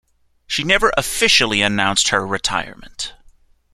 She never officially announced her retirement.